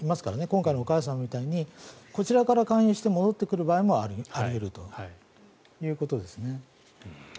今回のお母さんみたいにこちらから勧誘して戻ってくる場合もあり得るということですね。